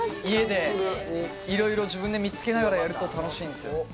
家で色々自分で見つけながらやると楽しいんですよ